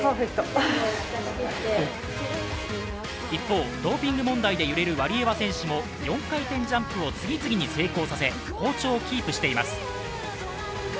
一方、ドーピング問題で揺れるワリエワ選手も４回転ジャンプを次々に成功させ、好調をキープしています。